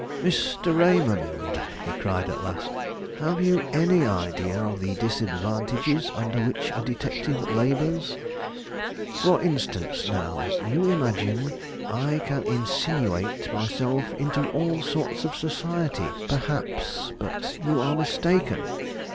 "Mr. Raymond," he cried at last, "have you any idea of the disadvantages under which a detective labors? For instance, now, you imagine I can insinuate myself into all sorts of society, perhaps; but you are mistaken.